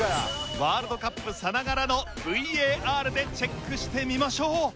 ワールドカップさながらのＶＡＲでチェックしてみましょう。